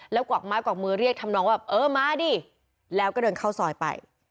แล้วกวักไม้กวักมือเรียกทำนองว่าเออมาดิแล้วก็เดินเข้าซอยไป